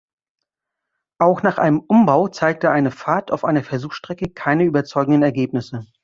Auch nach einem Umbau zeigte eine Fahrt auf einer Versuchsstrecke keine überzeugenden Ergebnisse.